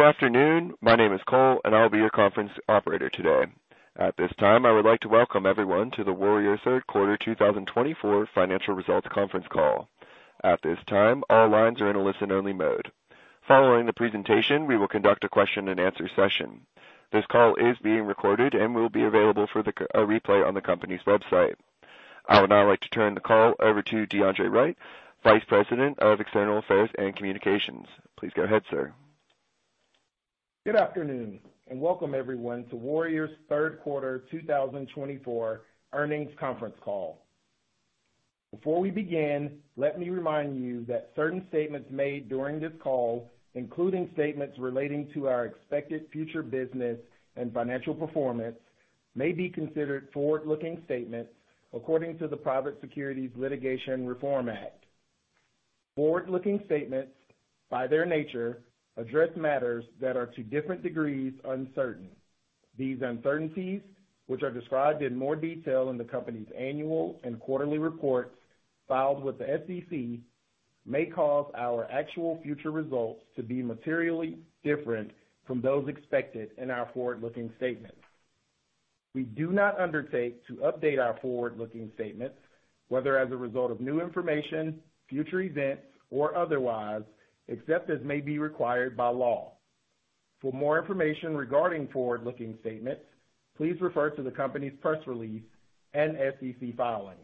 Good afternoon. My name is Cole, and I'll be your conference operator today. At this time, I would like to welcome everyone to the Warrior Third Quarter 2024 Financial Results Conference Call. At this time, all lines are in a listen-only mode. Following the presentation, we will conduct a question-and-answer session. This call is being recorded and will be available for a replay on the company's website. I would now like to turn the call over to D'Andre Wright, Vice President of External Affairs and Communications. Please go ahead, sir. Good afternoon, and welcome everyone to Warrior's Third Quarter 2024 Earnings Conference Call. Before we begin, let me remind you that certain statements made during this call, including statements relating to our expected future business and financial performance, may be considered forward-looking statements according to the Private Securities Litigation Reform Act. Forward-looking statements, by their nature, address matters that are to different degrees uncertain. These uncertainties, which are described in more detail in the company's annual and quarterly reports filed with the SEC, may cause our actual future results to be materially different from those expected in our forward-looking statements. We do not undertake to update our forward-looking statements, whether as a result of new information, future events, or otherwise, except as may be required by law. For more information regarding forward-looking statements, please refer to the company's press release and SEC filings.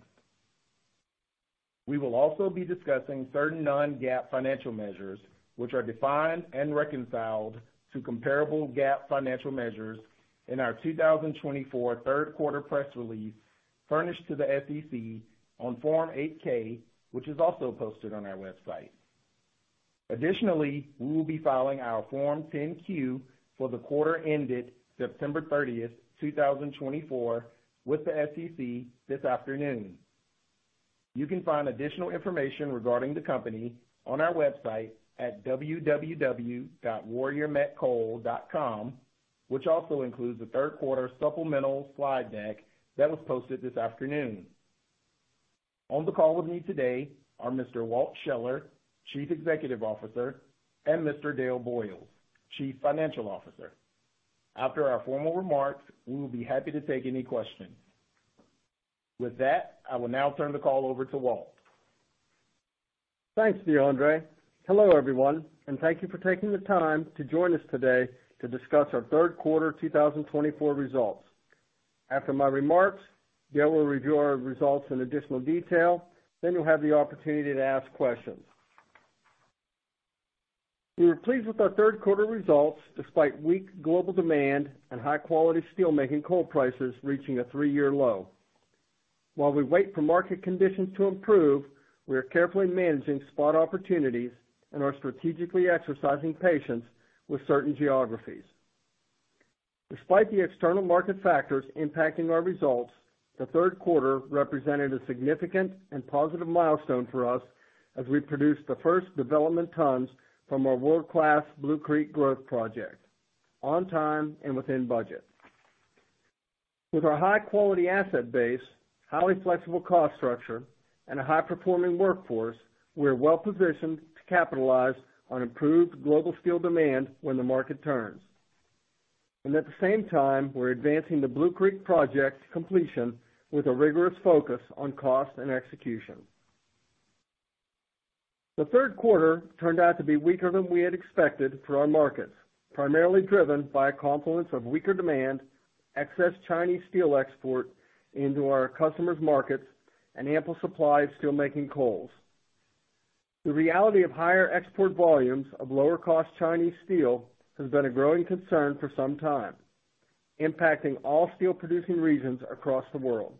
We will also be discussing certain non-GAAP financial measures, which are defined and reconciled to comparable GAAP financial measures, in our 2024 Third Quarter press release furnished to the SEC on Form 8-K, which is also posted on our website. Additionally, we will be filing our Form 10-Q for the quarter ended September 30, 2024, with the SEC this afternoon. You can find additional information regarding the company on our website at www.warriormetcoal.com, which also includes the Third Quarter Supplemental Slide Deck that was posted this afternoon. On the call with me today are Mr. Walt Scheller, Chief Executive Officer, and Mr. Dale Boyles, Chief Financial Officer. After our formal remarks, we will be happy to take any questions. With that, I will now turn the call over to Walt. Thanks, DeAndre. Hello, everyone, and thank you for taking the time to join us today to discuss our Third Quarter 2024 results. After my remarks, Dale will review our results in additional detail, then you'll have the opportunity to ask questions. We are pleased with our Third Quarter results despite weak global demand and high-quality steelmaking coal prices reaching a three-year low. While we wait for market conditions to improve, we are carefully managing spot opportunities and are strategically exercising patience with certain geographies. Despite the external market factors impacting our results, the Third Quarter represented a significant and positive milestone for us as we produced the first development tons from our world-class Blue Creek growth project, on time and within budget. With our high-quality asset base, highly flexible cost structure, and a high-performing workforce, we are well-positioned to capitalize on improved global steel demand when the market turns. And at the same time, we're advancing the Blue Creek project completion with a rigorous focus on cost and execution. The Third Quarter turned out to be weaker than we had expected for our markets, primarily driven by a confluence of weaker demand, excess Chinese steel export into our customers' markets, and ample supply of steelmaking coals. The reality of higher export volumes of lower-cost Chinese steel has been a growing concern for some time, impacting all steel-producing regions across the world.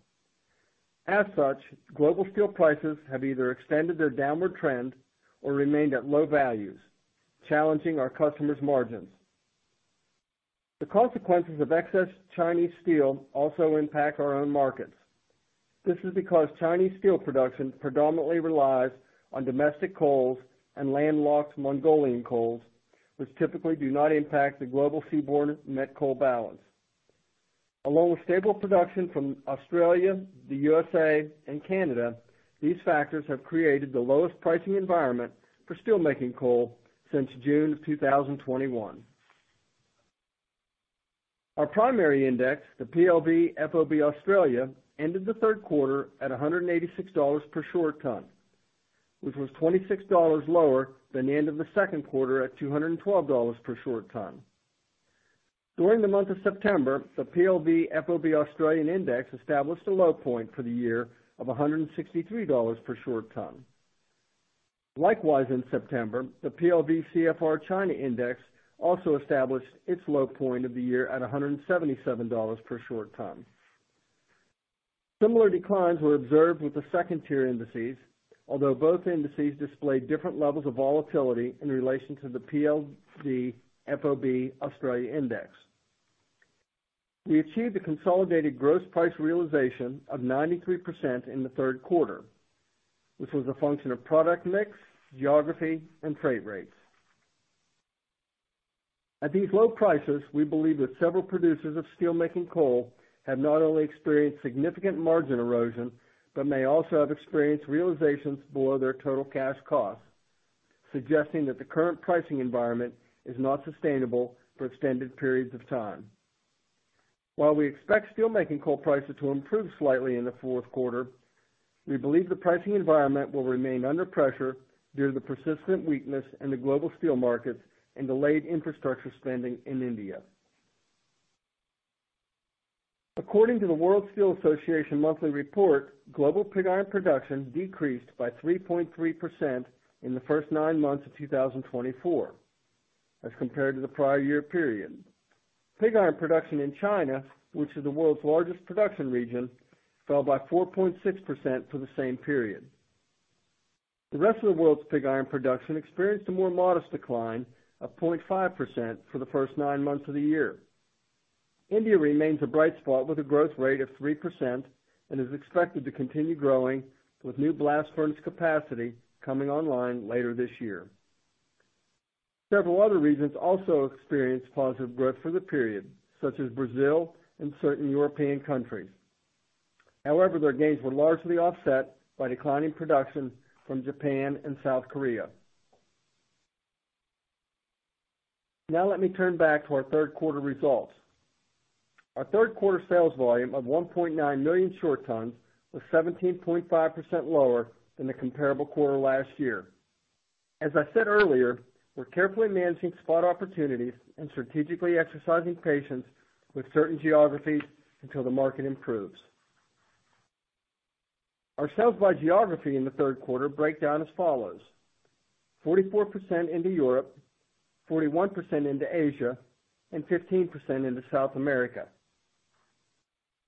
As such, global steel prices have either extended their downward trend or remained at low values, challenging our customers' margins. The consequences of excess Chinese steel also impact our own markets. This is because Chinese steel production predominantly relies on domestic coals and landlocked Mongolian coals, which typically do not impact the global seaborne net coal balance. Along with stable production from Australia, the USA, and Canada, these factors have created the lowest pricing environment for steelmaking coal since June of 2021. Our primary index, the PLV FOB Australia, ended the Third Quarter at $186 per short ton, which was $26 lower than the end of the Second Quarter at $212 per short ton. During the month of September, the PLV FOB Australia index established a low point for the year of $163 per short ton. Likewise, in September, the PLV CFR China index also established its low point of the year at $177 per short ton. Similar declines were observed with the second-tier indices, although both indices displayed different levels of volatility in relation to the PLV FOB Australia index. We achieved a consolidated gross price realization of 93% in the Third Quarter, which was a function of product mix, geography, and freight rates. At these low prices, we believe that several producers of steelmaking coal have not only experienced significant margin erosion but may also have experienced realizations below their total cash cost, suggesting that the current pricing environment is not sustainable for extended periods of time. While we expect steelmaking coal prices to improve slightly in the Fourth Quarter, we believe the pricing environment will remain under pressure due to the persistent weakness in the global steel markets and delayed infrastructure spending in India. According to the World Steel Association monthly report, global pig iron production decreased by 3.3% in the first nine months of 2024, as compared to the prior year period. Pig iron production in China, which is the world's largest production region, fell by 4.6% for the same period. The rest of the world's pig iron production experienced a more modest decline of 0.5% for the first nine months of the year. India remains a bright spot with a growth rate of 3% and is expected to continue growing with new blast furnace capacity coming online later this year. Several other regions also experienced positive growth for the period, such as Brazil and certain European countries. However, their gains were largely offset by declining production from Japan and South Korea. Now let me turn back to our Third Quarter results. Our Third Quarter sales volume of 1.9 million short tons was 17.5% lower than the comparable quarter last year. As I said earlier, we're carefully managing spot opportunities and strategically exercising patience with certain geographies until the market improves. Our sales by geography in the Third Quarter break down as follows: 44% into Europe, 41% into Asia, and 15% into South America.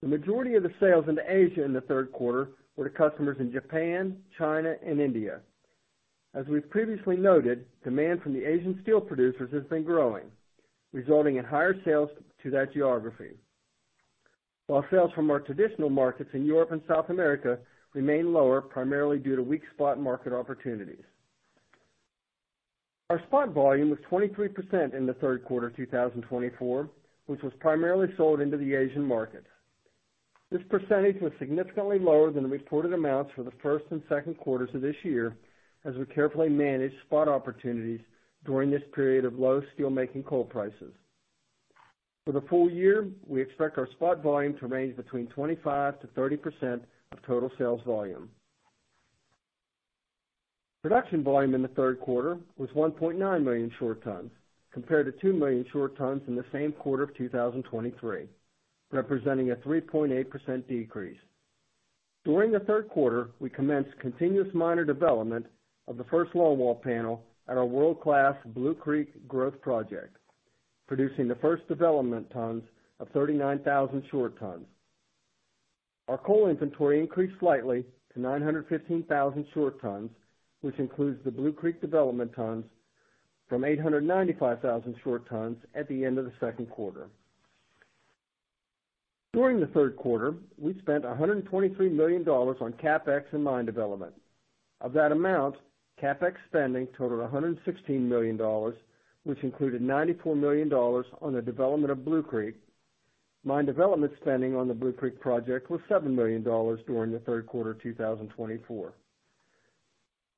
The majority of the sales into Asia in the Third Quarter were to customers in Japan, China, and India. As we've previously noted, demand from the Asian steel producers has been growing, resulting in higher sales to that geography, while sales from our traditional markets in Europe and South America remain lower primarily due to weak spot market opportunities. Our spot volume was 23% in the Third Quarter 2024, which was primarily sold into the Asian markets. This percentage was significantly lower than the reported amounts for the first and second quarters of this year, as we carefully managed spot opportunities during this period of low steelmaking coal prices. For the full year, we expect our spot volume to range between 25%-30% of total sales volume. Production volume in the Third Quarter was 1.9 million short tons, compared to 2 million short tons in the same quarter of 2023, representing a 3.8% decrease. During the Third Quarter, we commenced continuous miner development of the first longwall panel at our world-class Blue Creek Growth project, producing the first development tons of 39,000 short tons. Our coal inventory increased slightly to 915,000 short tons, which includes the Blue Creek development tons from 895,000 short tons at the end of the Second Quarter. During the Third Quarter, we spent $123 million on CapEx and mine development. Of that amount, CapEx spending totaled $116 million, which included $94 million on the development of Blue Creek. Mine development spending on the Blue Creek project was $7 million during the third quarter 2024.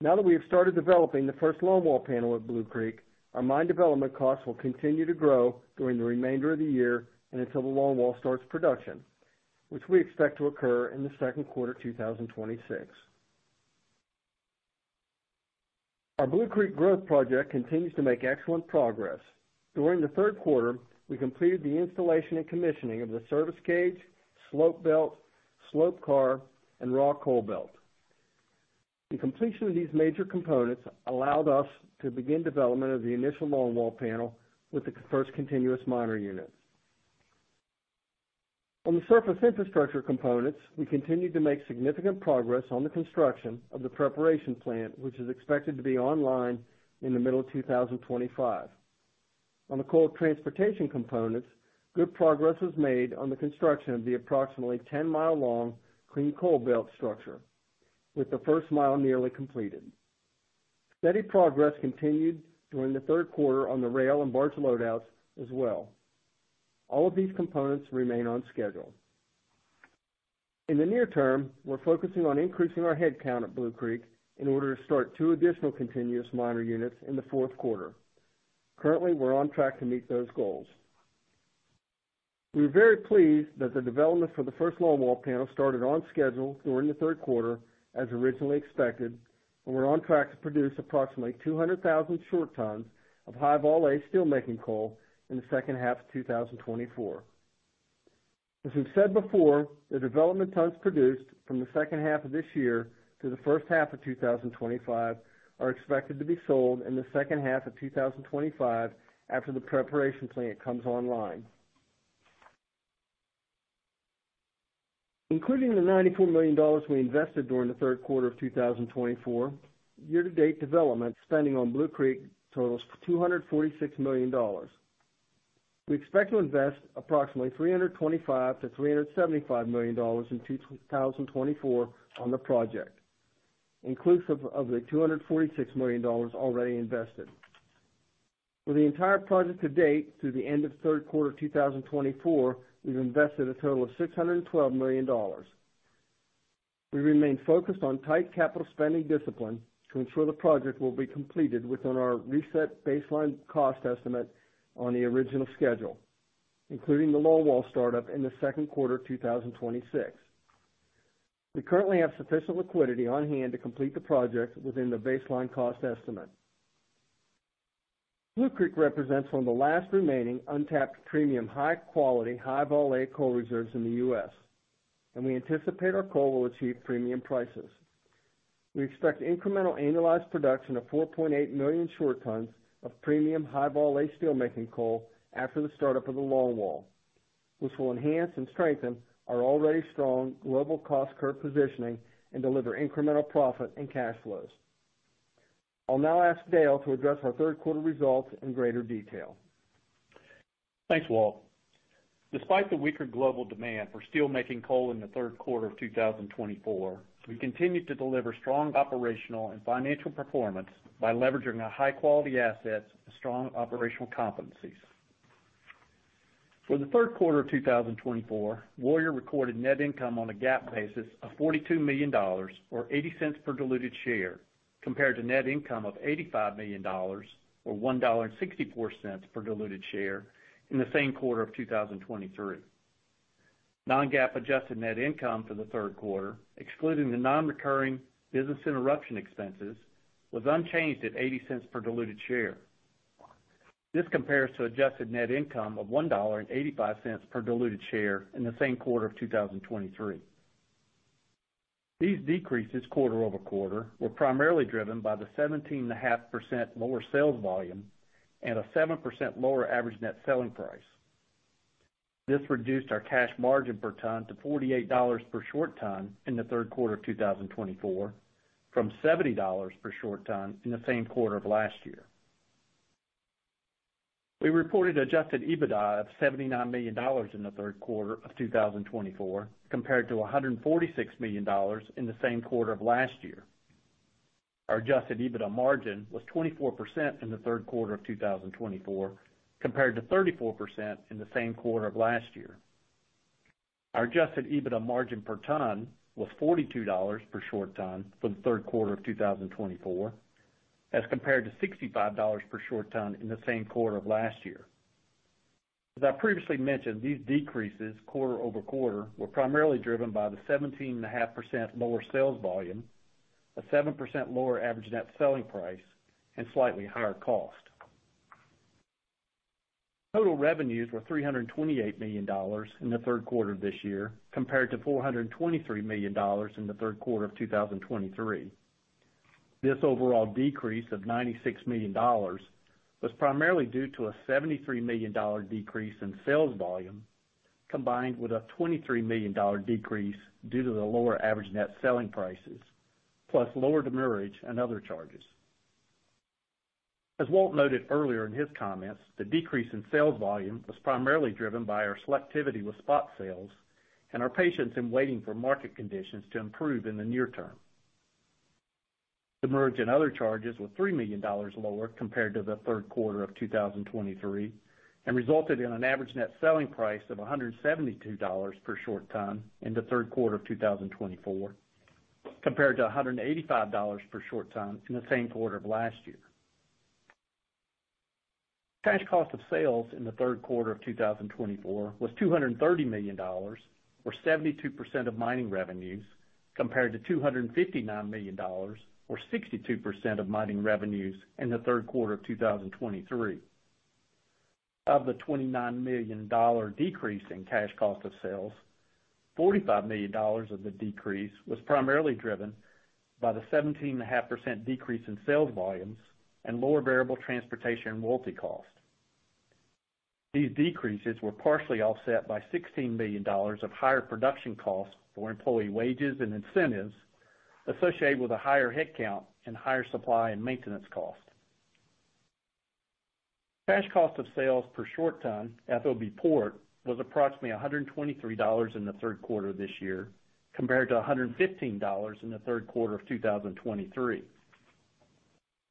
Now that we have started developing the first longwall panel at Blue Creek, our mine development costs will continue to grow during the remainder of the year and until the longwall starts production, which we expect to occur in the second quarter 2026. Our Blue Creek growth project continues to make excellent progress. During the third quarter, we completed the installation and commissioning of the service cage, slope belt, slope car, and raw coal belt. The completion of these major components allowed us to begin development of the initial longwall panel with the first continuous miner units. On the surface infrastructure components, we continued to make significant progress on the construction of the preparation plant, which is expected to be online in the middle of 2025. On the coal transportation components, good progress was made on the construction of the approximately 10-mile-long clean coal belt structure, with the first mile nearly completed. Steady progress continued during the Third Quarter on the rail and barge loadouts as well. All of these components remain on schedule. In the near term, we're focusing on increasing our headcount at Blue Creek in order to start two additional continuous miner units in the Fourth Quarter. Currently, we're on track to meet those goals. We are very pleased that the development for the first longwall panel started on schedule during the Third Quarter, as originally expected, and we're on track to produce approximately 200,000 short tons of high-volatile steelmaking coal in the second half of 2024. As we've said before, the development tons produced from the second half of this year to the first half of 2025 are expected to be sold in the second half of 2025 after the preparation plant comes online. Including the $94 million we invested during the third quarter of 2024, year-to-date development spending on Blue Creek totals $246 million. We expect to invest approximately $325-$375 million in 2024 on the project, inclusive of the $246 million already invested. For the entire project to date, through the end of third quarter 2024, we've invested a total of $612 million. We remain focused on tight capital spending discipline to ensure the project will be completed within our reset baseline cost estimate on the original schedule, including the longwall startup in the second quarter 2026. We currently have sufficient liquidity on hand to complete the project within the baseline cost estimate. Blue Creek represents one of the last remaining untapped premium high-quality high-volatile coal reserves in the U.S., and we anticipate our coal will achieve premium prices. We expect incremental annualized production of 4.8 million short tons of premium high-volatile steelmaking coal after the startup of the longwall, which will enhance and strengthen our already strong global cost curve positioning and deliver incremental profit and cash flows. I'll now ask Dale to address our Third Quarter results in greater detail. Thanks, Walt. Despite the weaker global demand for steelmaking coal in the Third Quarter of 2024, we continued to deliver strong operational and financial performance by leveraging our high-quality assets and strong operational competencies. For the Third Quarter of 2024, Warrior recorded net income on a GAAP basis of $42 million, or $0.80 per diluted share, compared to net income of $85 million, or $1.64 per diluted share, in the same quarter of 2023. Non-GAAP adjusted net income for the Third Quarter, excluding the non-recurring business interruption expenses, was unchanged at $0.80 per diluted share. This compares to adjusted net income of $1.85 per diluted share in the same quarter of 2023. These decreases quarter over quarter were primarily driven by the 17.5% lower sales volume and a 7% lower average net selling price. This reduced our cash margin per ton to $48 per short ton in the third quarter of 2024, from $70 per short ton in the same quarter of last year. We reported Adjusted EBITDA of $79 million in the third quarter of 2024, compared to $146 million in the same quarter of last year. Our Adjusted EBITDA margin was 24% in the third quarter of 2024, compared to 34% in the same quarter of last year. Our Adjusted EBITDA margin per ton was $42 per short ton for the third quarter of 2024, as compared to $65 per short ton in the same quarter of last year. As I previously mentioned, these decreases quarter over quarter were primarily driven by the 17.5% lower sales volume, a 7% lower average net selling price, and slightly higher cost. Total revenues were $328 million in the Third Quarter of this year, compared to $423 million in the Third Quarter of 2023. This overall decrease of $96 million was primarily due to a $73 million decrease in sales volume, combined with a $23 million decrease due to the lower average net selling prices, plus lower demurrage and other charges. As Walt noted earlier in his comments, the decrease in sales volume was primarily driven by our selectivity with spot sales and our patience in waiting for market conditions to improve in the near term. Demurrage and other charges were $3 million lower compared to the Third Quarter of 2023 and resulted in an average net selling price of $172 per short ton in the Third Quarter of 2024, compared to $185 per short ton in the same quarter of last year. Cash cost of sales in the Third Quarter of 2024 was $230 million, or 72% of mining revenues, compared to $259 million, or 62% of mining revenues in the Third Quarter of 2023. Of the $29 million decrease in cash cost of sales, $45 million of the decrease was primarily driven by the 17.5% decrease in sales volumes and lower variable transportation and royalty cost. These decreases were partially offset by $16 million of higher production costs for employee wages and incentives associated with a higher headcount and higher supply and maintenance cost. Cash cost of sales per short ton at the port was approximately $123 in the Third Quarter of this year, compared to $115 in the Third Quarter of 2023.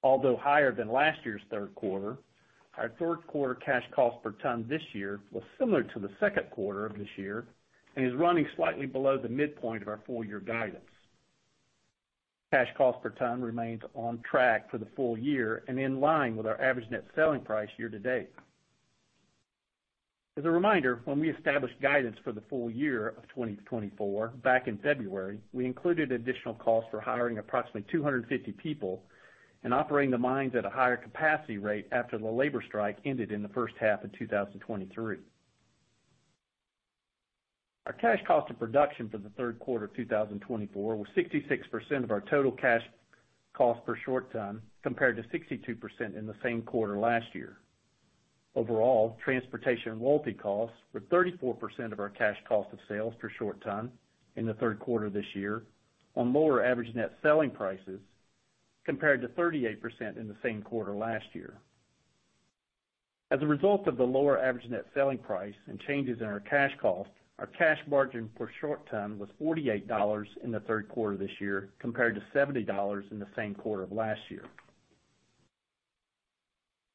Although higher than last year's Third Quarter, our Third Quarter cash cost per ton this year was similar to the Second Quarter of this year and is running slightly below the midpoint of our full-year guidance. Cash cost per ton remains on track for the full year and in line with our average net selling price year-to-date. As a reminder, when we established guidance for the full year of 2024 back in February, we included additional costs for hiring approximately 250 people and operating the mines at a higher capacity rate after the labor strike ended in the first half of 2023. Our cash cost of production for the Third Quarter of 2024 was 66% of our total cash cost per short ton, compared to 62% in the same quarter last year. Overall, transportation and royalty costs were 34% of our cash cost of sales per short ton in the Third Quarter of this year on lower average net selling prices, compared to 38% in the same quarter last year. As a result of the lower average net selling price and changes in our cash cost, our cash margin per short ton was $48 in the Third Quarter of this year, compared to $70 in the same quarter of last year.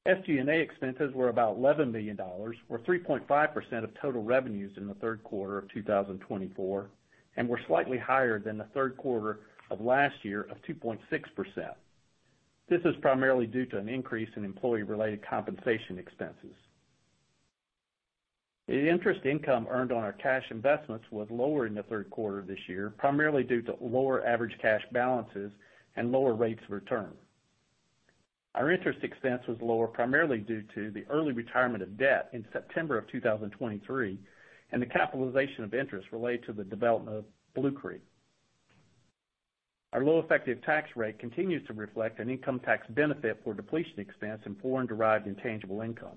SG&A expenses were about $11 million, or 3.5% of total revenues in the Third Quarter of 2024, and were slightly higher than the Third Quarter of last year of 2.6%. This was primarily due to an increase in employee-related compensation expenses. The interest income earned on our cash investments was lower in the Third Quarter of this year, primarily due to lower average cash balances and lower rates of return. Our interest expense was lower primarily due to the early retirement of debt in September of 2023 and the capitalization of interest related to the development of Blue Creek. Our low effective tax rate continues to reflect an income tax benefit for depletion expense in foreign-derived intangible income.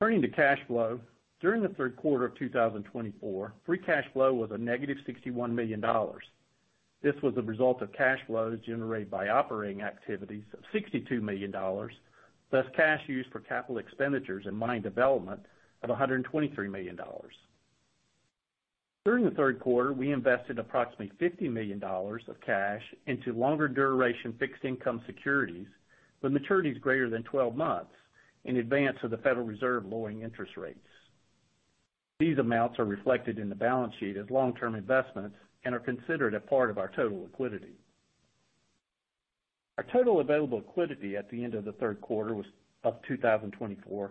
Turning to cash flow, during the Third Quarter of 2024, free cash flow was a negative $61 million. This was the result of cash flows generated by operating activities of $62 million, thus cash used for capital expenditures and mine development of $123 million. During the Third Quarter, we invested approximately $50 million of cash into longer-duration fixed income securities with maturities greater than 12 months in advance of the Federal Reserve lowering interest rates. These amounts are reflected in the balance sheet as long-term investments and are considered a part of our total liquidity. Our total available liquidity at the end of the Third Quarter of 2024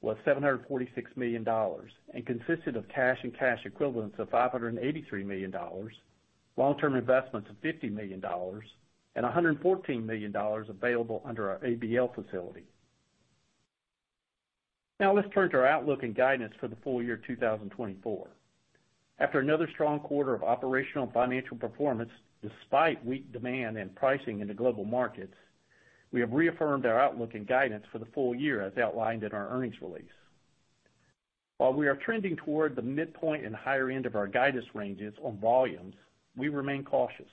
was $746 million and consisted of cash and cash equivalents of $583 million, long-term investments of $50 million, and $114 million available under our ABL facility. Now, let's turn to our outlook and guidance for the full year 2024. After another strong quarter of operational and financial performance, despite weak demand and pricing in the global markets, we have reaffirmed our outlook and guidance for the full year as outlined in our earnings release. While we are trending toward the midpoint and higher end of our guidance ranges on volumes, we remain cautious,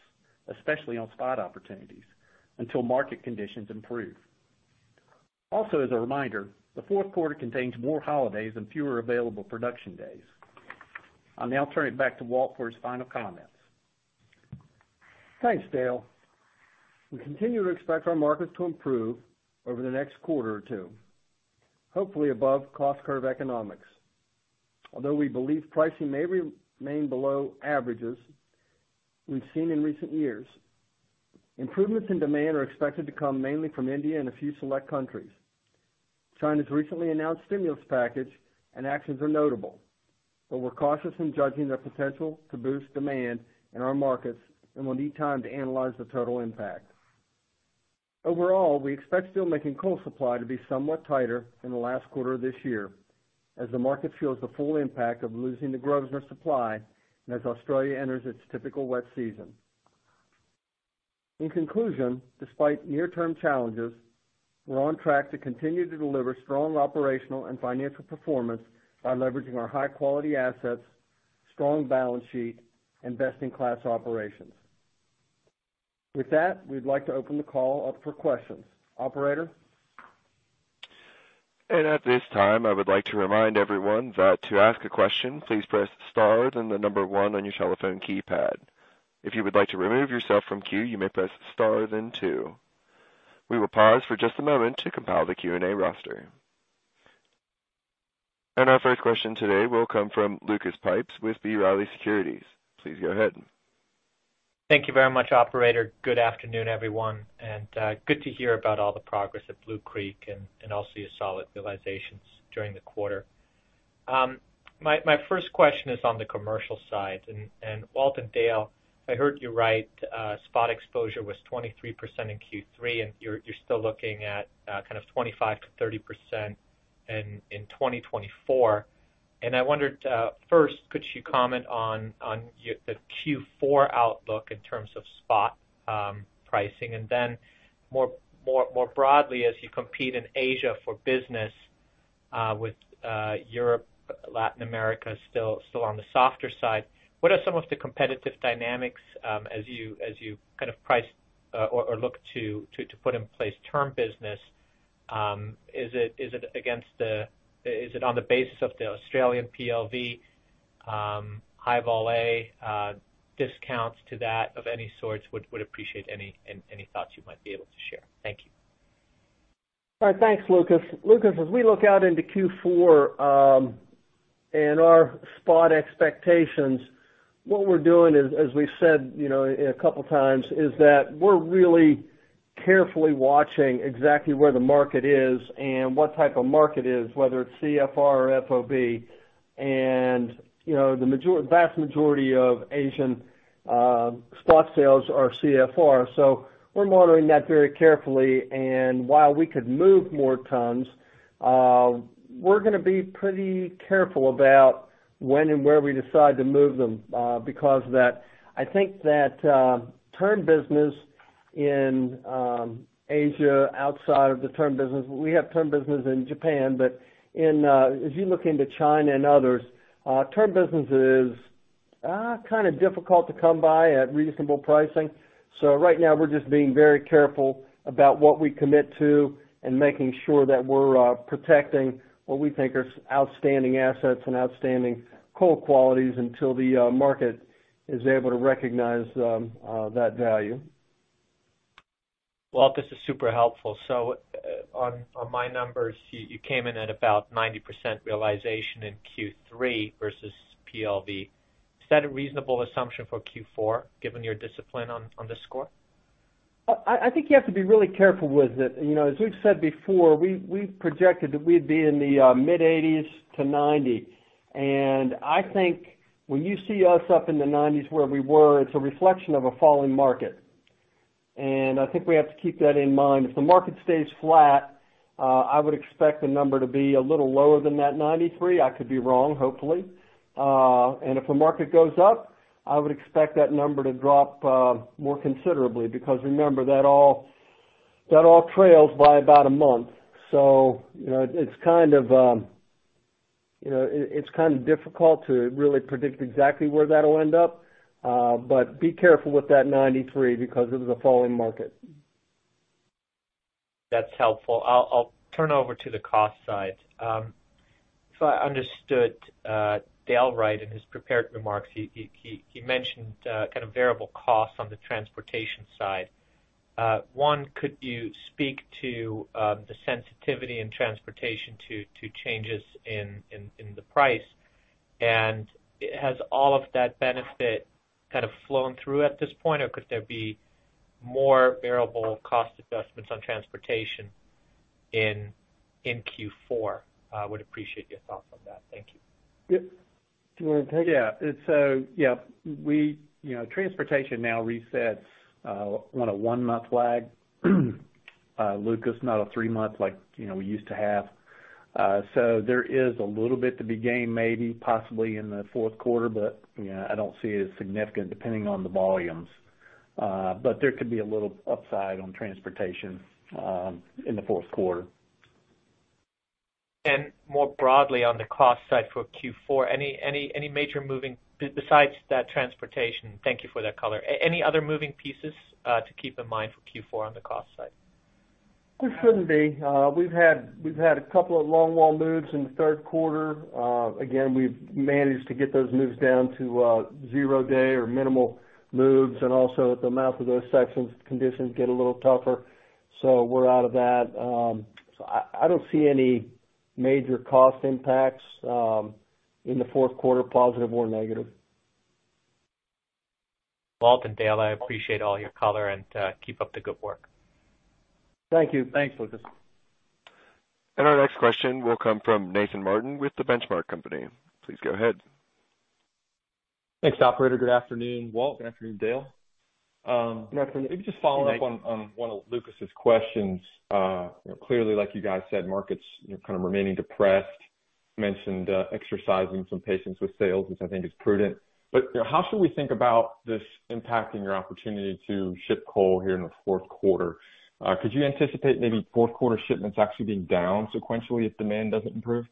especially on spot opportunities, until market conditions improve. Also, as a reminder, the Fourth Quarter contains more holidays and fewer available production days. I'll now turn it back to Walt for his final comments. Thanks, Dale. We continue to expect our markets to improve over the next quarter or two, hopefully above cost curve economics. Although we believe pricing may remain below averages we've seen in recent years, improvements in demand are expected to come mainly from India and a few select countries. China's recently announced stimulus package and actions are notable, but we're cautious in judging their potential to boost demand in our markets and will need time to analyze the total impact. Overall, we expect steelmaking coal supply to be somewhat tighter in the last quarter of this year as the market feels the full impact of losing the growth in our supply and as Australia enters its typical wet season. In conclusion, despite near-term challenges, we're on track to continue to deliver strong operational and financial performance by leveraging our high-quality assets, strong balance sheet, and best-in-class operations. With that, we'd like to open the call up for questions. Operator? And at this time, I would like to remind everyone that to ask a question, please press star then the number one on your telephone keypad. If you would like to remove yourself from queue, you may press star then two. We will pause for just a moment to compile the Q&A roster. And our first question today will come from Lucas Pipes with B. Riley Securities. Please go ahead. Thank you very much, Operator. Good afternoon, everyone. And good to hear about all the progress at Blue Creek and also your solid realizations during the quarter. My first question is on the commercial side. And Walt and Dale, I heard you right. Spot exposure was 23% in Q3, and you're still looking at kind of 25%-30% in 2024. And I wondered, first, could you comment on the Q4 outlook in terms of spot pricing? And then more broadly, as you compete in Asia for business with Europe, Latin America still on the softer side, what are some of the competitive dynamics as you kind of price or look to put in place term business? Is it against the, is it on the basis of the Australian PLV, high-volatile discounts to that of any sorts? Would appreciate any thoughts you might be able to share. Thank you. All right. Thanks, Lucas. Lucas, as we look out into Q4 and our spot expectations, what we're doing is, as we've said a couple of times, that we're really carefully watching exactly where the market is and what type of market it is, whether it's CFR or FOB. And the vast majority of Asian spot sales are CFR. So we're monitoring that very carefully. And while we could move more tons, we're going to be pretty careful about when and where we decide to move them because I think that term business in Asia outside of the term business we have in Japan, but as you look into China and others, term business is kind of difficult to come by at reasonable pricing. So right now, we're just being very careful about what we commit to and making sure that we're protecting what we think are outstanding assets and outstanding coal qualities until the market is able to recognize that value. Walt, this is super helpful. So on my numbers, you came in at about 90% realization in Q3 versus PLV. Is that a reasonable assumption for Q4, given your discipline on this score? I think you have to be really careful with it. As we've said before, we projected that we'd be in the mid-80%'s-90%. And I think when you see us up in the 90%'s where we were, it's a reflection of a falling market. And I think we have to keep that in mind. If the market stays flat, I would expect the number to be a little lower than that 93%. I could be wrong, hopefully. And if the market goes up, I would expect that number to drop more considerably because, remember, that all trails by about a month. So it's kind of difficult to really predict exactly where that'll end up, but be careful with that 93% because it was a falling market. That's helpful. I'll turn over to the cost side. If I understood DeAndre Wright in his prepared remarks, he mentioned kind of variable costs on the transportation side. One, could you speak to the sensitivity in transportation to changes in the price? And has all of that benefit kind of flown through at this point, or could there be more variable cost adjustments on transportation in Q4? I would appreciate your thoughts on that. Thank you. Yeah. Do you want to take it? Yeah. So yeah, transportation now resets on a one-month lag, Lucas, not a three-month like we used to have. So there is a little bit to be gained, maybe, possibly in the Fourth Quarter, but I don't see it as significant depending on the volumes. But there could be a little upside on transportation in the Fourth Quarter. And more broadly on the cost side for Q4, any major moving besides that transportation? Thank you for that color. Any other moving pieces to keep in mind for Q4 on the cost side? There shouldn't be. We've had a couple of longwall moves in the Third Quarter. Again, we've managed to get those moves down to zero-day or minimal moves. And also, at the mouth of those sections, conditions get a little tougher. So we're out of that. So I don't see any major cost impacts in the Fourth Quarter, positive or negative. Walt and Dale, I appreciate all your color and keep up the good work. Thank you. Thanks, Lucas. Our next question will come from Nathan Martin with The Benchmark Company. Please go ahead. Thanks, Operator. Good afternoon, Walt. Good afternoon, Dale. Good afternoon. Maybe just following up on one of Lucas's questions. Clearly, like you guys said, markets are kind of remaining depressed. You mentioned exercising some patience with sales, which I think is prudent. But how should we think about this impacting your opportunity to ship coal here in the Fourth Quarter? Could you anticipate maybe Fourth Quarter shipments actually being down sequentially if demand doesn't improve?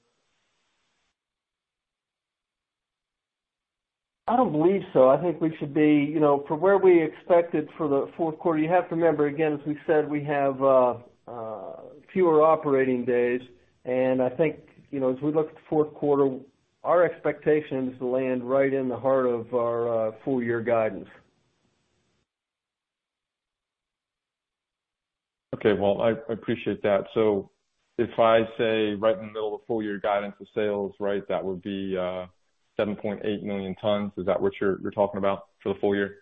I don't believe so. I think we should be where we expected for the Fourth Quarter. You have to remember, again, as we said, we have fewer operating days, and I think as we look at the Fourth Quarter, our expectations land right in the heart of our full-year guidance. Okay, well, I appreciate that, so if I say right in the middle of the full-year guidance of sales, right, that would be 7.8 million tons. Is that what you're talking about for the full year?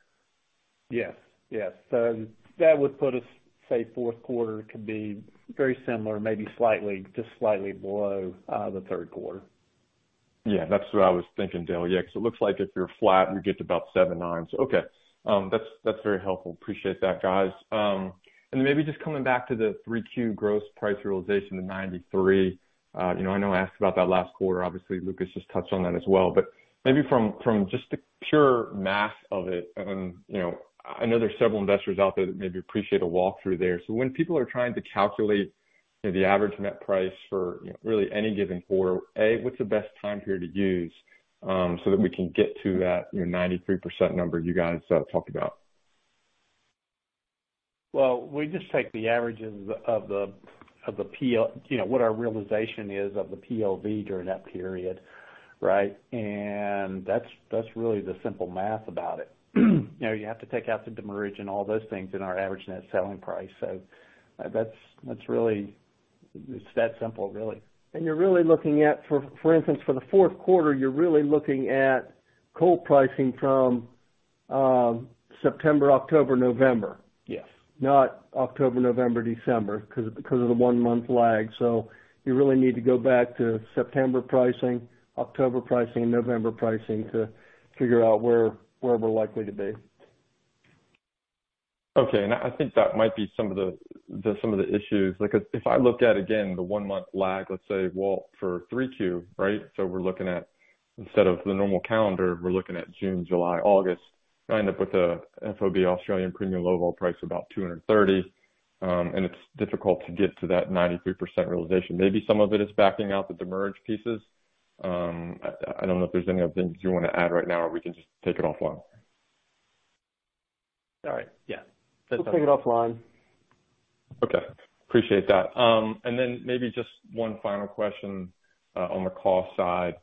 Yes. Yes. So that would put us, say, Fourth Quarter could be very similar, maybe slightly, just slightly below the Third Quarter. Yeah. That's what I was thinking, Dale. Yeah. Because it looks like if you're flat, you get to about 7.9. So okay. That's very helpful. Appreciate that, guys. And then maybe just coming back to the three-Q gross price realization, the 93%. I know I asked about that last quarter. Obviously, Lucas just touched on that as well. But maybe from just the pure math of it, and I know there's several investors out there that maybe appreciate a walkthrough there. So when people are trying to calculate the average net price for really any given quarter, A, what's the best time period to use so that we can get to that 93% number you guys talked about? We just take the averages of what our realization is of the PLV during that period, right? And that's really the simple math about it. You have to take out the demurrage and all those things in our average net selling price. So that's really that simple, really. And you're really looking at, for instance, for the Fourth Quarter, you're really looking at coal pricing from September, October, November. Not October, November, December because of the one-month lag. So you really need to go back to September pricing, October pricing, and November pricing to figure out where we're likely to be. Okay, and I think that might be some of the issues because if I look at, again, the one-month lag, let's say, well, for 3Q, right, so we're looking at, instead of the normal calendar, we're looking at June, July, August. You'll end up with an FOB Australia premium low vol price of about $230, and it's difficult to get to that 93% realization. Maybe some of it is backing out the demurrage pieces. I don't know if there's any other things you want to add right now, or we can just take it offline. All right. Yeah. We'll take it offline. Okay. Appreciate that. And then maybe just one final question on the cost side.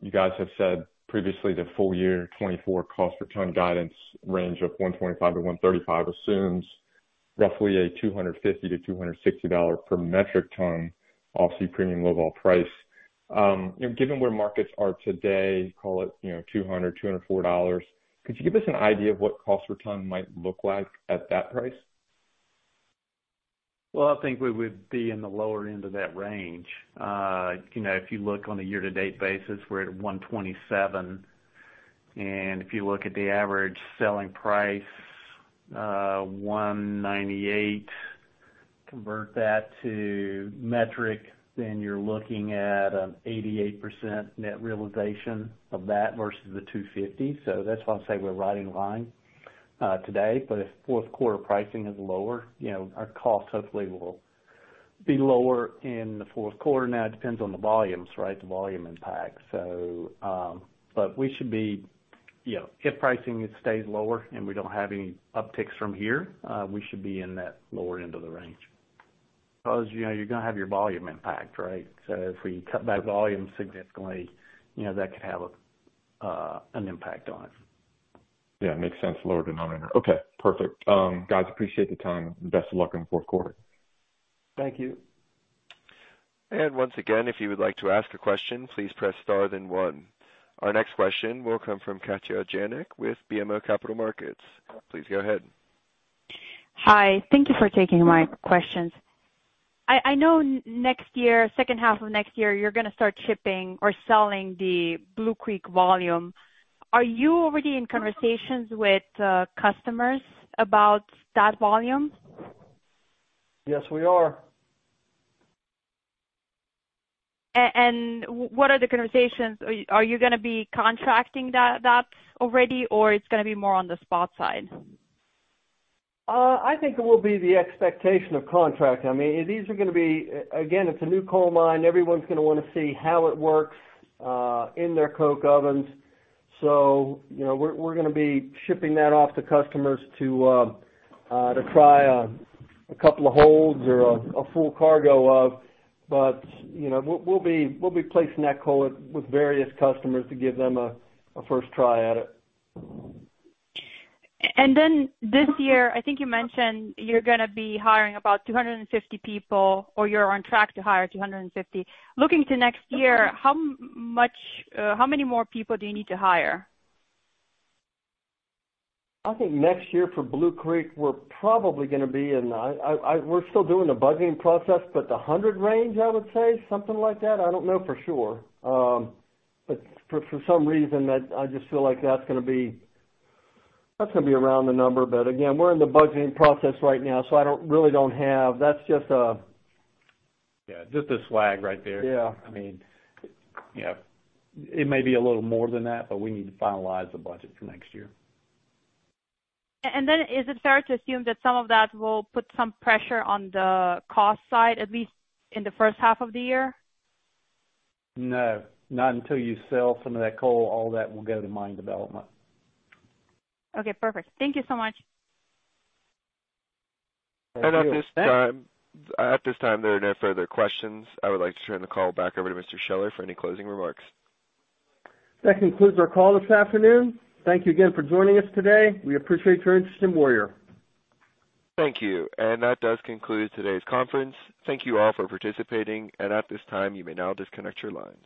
You guys have said previously the full year 2024 cost per ton guidance range of $125-$135 assumes roughly a $250-$260 per metric ton Aussie premium low vol price. Given where markets are today, call it $200-$204, could you give us an idea of what cost per ton might look like at that price? Well, I think we would be in the lower end of that range. If you look on a year-to-date basis, we're at $127. And if you look at the average selling price, $198, convert that to metric, then you're looking at an 88% net realization of that versus the $250. So that's why I say we're right in line today. But if Fourth Quarter pricing is lower, our cost hopefully will be lower in the Fourth Quarter. Now, it depends on the volumes, right? The volume impacts. But we should be if pricing stays lower and we don't have any upticks from here, we should be in that lower end of the range. Because you're going to have your volume impact, right? So if we cut back volume significantly, that could have an impact on it. Yeah. Makes sense. Lower demand impact. Okay. Perfect. Guys, appreciate the time. Best of luck in the Fourth Quarter. Thank you. Once again, if you would like to ask a question, please press star then one. Our next question will come from Katja Jancic with BMO Capital Markets. Please go ahead. Hi. Thank you for taking my questions. I know next year, second half of next year, you're going to start shipping or selling the Blue Creek volume. Are you already in conversations with customers about that volume? Yes, we are. What are the conversations? Are you going to be contracting that already, or it's going to be more on the spot side? I think it will be the expectation of contracting. I mean, these are going to be, again, it's a new coal mine. Everyone's going to want to see how it works in their coke ovens, so we're going to be shipping that off to customers to try a couple of holds or a full cargo of, but we'll be placing that coal with various customers to give them a first try at it. Then this year, I think you mentioned you're going to be hiring about 250 people, or you're on track to hire 250 people. Looking to next year, how many more people do you need to hire? I think next year for Blue Creek, we're probably going to be in the, we're still doing the budgeting process, but the 100 people range, I would say, something like that. I don't know for sure. But for some reason, I just feel like that's going to be around the number. But again, we're in the budgeting process right now, so I really don't have. That's just a. Yeah. Just a swag right there. Yeah. I mean, yeah. It may be a little more than that, but we need to finalize the budget for next year. Is it fair to assume that some of that will put some pressure on the cost side, at least in the first half of the year? No. Not until you sell some of that coal. All that will go to mine development. Okay. Perfect. Thank you so much. All right. Thanks. At this time, there are no further questions. I would like to turn the call back over to Mr. Scheller for any closing remarks. That concludes our call this afternoon. Thank you again for joining us today. We appreciate your interest in Warrior. Thank you. And that does conclude today's conference. Thank you all for participating. And at this time, you may now disconnect your line.